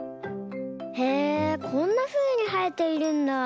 へえこんなふうにはえているんだ！